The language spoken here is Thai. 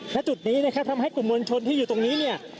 และจุดนี้ทำให้กลุ่มมวลชนที่อยู่ตรงนี้นี่